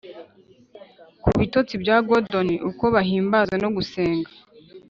ku bitotsi bya gordon, uko guhimbaza no gusenga